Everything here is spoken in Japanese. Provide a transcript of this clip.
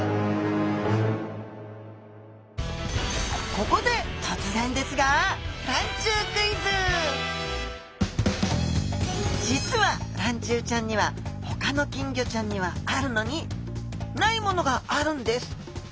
ここで突然ですが実はらんちゅうちゃんにはほかの金魚ちゃんにはあるのにないものがあるんです。